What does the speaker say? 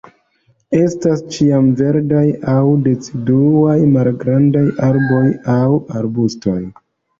Estas ĉiamverdaj aŭ deciduaj, malgrandaj arboj aŭ arbustoj.